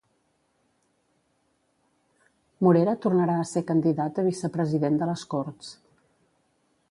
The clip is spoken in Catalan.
Morera tornarà a ser candidat a vicepresident de les Corts.